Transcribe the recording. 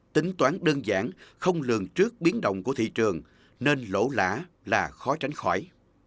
tính toán đơn giản không lường trước biến động của thị trường nên lỗ lã là khó tránh khỏi